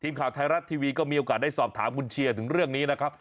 มีโอกาสได้สอบถามคุณเชียร์ถึงเรื่องนี้นะครับ